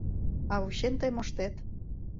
«А вучен тый моштет».